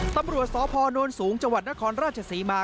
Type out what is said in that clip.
ตำรวจสพนสูงจนครราชศรีมาร์